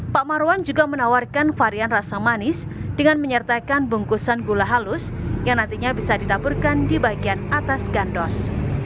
pak marwan juga menawarkan varian rasa manis dengan menyertakan bungkusan gula halus yang nantinya bisa ditaburkan di bagian atas gandos